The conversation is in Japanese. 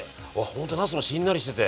ほんとなすもしんなりしてて。